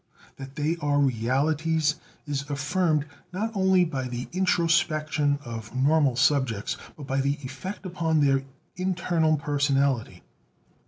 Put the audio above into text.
That they are realities is affirmed not only by the introspection of normal subjects, but by the effect upon their internal personality.